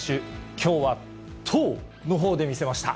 きょうは投のほうで見せました。